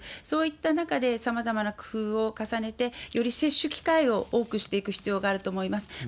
そういった中でさまざまな工夫を重ねて、より接種機会を多くしていく必要があると思います。